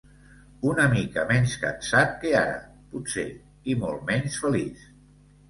Una mica menys cansat que ara, potser, i molt menys feliç.